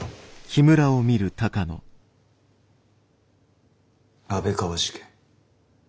安倍川事件。